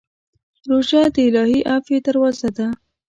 روژه د الهي عفوې دروازه ده.